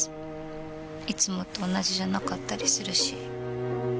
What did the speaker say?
いつもと同じじゃなかったりするし。